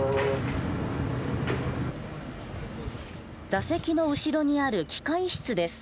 座席の後ろにある機械室です。